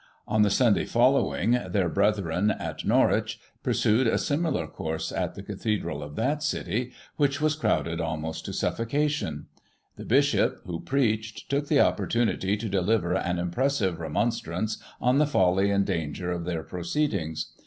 On the Sunday following, their brethren at Nor Digiti ized by Google 112 GOSSIP. [1839 wich pursued a similar course at the Cathedral of that city, which was crowded almost to suffocation. The Bishop, who preached, took the opportunity to deliver an impressive re« monstrance on the folly and danger of their proceedings.